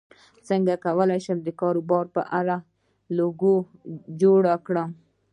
څنګه کولی شم د کاروبار لپاره لوګو جوړ کړم